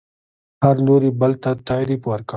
هر لوري بل ته تعریف ورکړ